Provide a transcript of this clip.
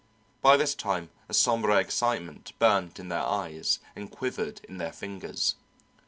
By this time a sombre excitement burnt in their eyes and quivered in their fingers.